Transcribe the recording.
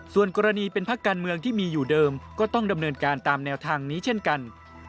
ส่วนกรณีเป็นพักการเมืองที่มีอยู่เดิมก็ต้องดำเนินการตามแนวทางนี้เช่นกัน